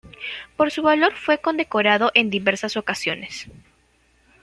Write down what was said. Por su valor fue condecorado en diversas ocasiones.